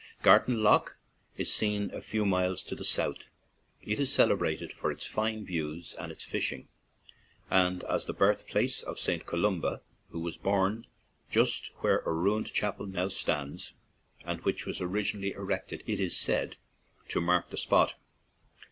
Gartan Lough is seen a few miles to the south. It is celebrated for its fine views and its fishing, and as the birthplace of St. Columba, who was born just where a ruined chapel now stands and which was originally erected, it is said, to mark the spot.